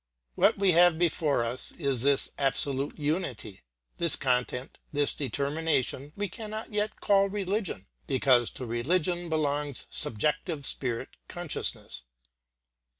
What we have before us is this absolute unity. This content, this determination we cannot yet call religion because to religion belongs subjective spirit consciousness.